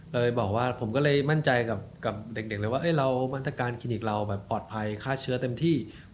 เลยบอกว่าผมก็เลยมั่นใจกับเด็กเลยว่าเรามาตรการคลินิกเราแบบปลอดภัยฆ่าเชื้อเต็มที่